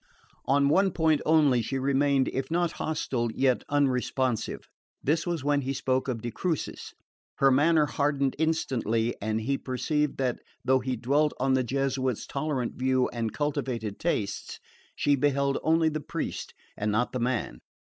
On one point only she remained, if not hostile yet unresponsive. This was when he spoke of de Crucis. Her manner hardened instantly, and he perceived that, though he dwelt on the Jesuit's tolerant view and cultivated tastes, she beheld only the priest and not the man.